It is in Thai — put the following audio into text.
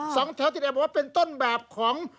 สองแถวสิบเอ็ดบอกว่าเป็นต้นแบบของ